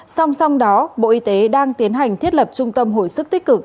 song song đó bộ y tế đang tiến hành thiết lập trung tâm hồi sức tích cực